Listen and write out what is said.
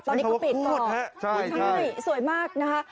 ตอนนี้เขาปิดก่อนใช่สวยมากนะฮะ